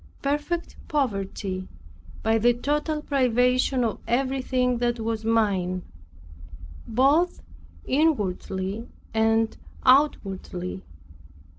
Perfect poverty, by the total privation of everything that was mine, both inwardly and outwardly.